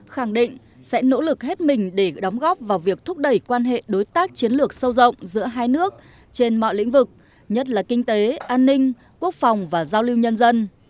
khẳng định sẽ nỗ lực hết mình để đóng góp vào việc thúc đẩy quan hệ đối tác chiến lược sâu rộng giữa hai nước trên mọi lĩnh vực nhất là kinh tế an ninh quốc phòng và giao lưu nhân dân